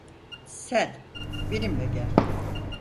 Sen, benimle gel.